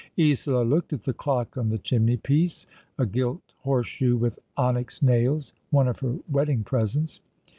Isola looked at the clock on the chimney piece — a gilt horse shoe with onyx nails; one of her wedding presents.